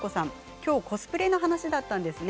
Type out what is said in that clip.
きょうコスプレの話だったんですね。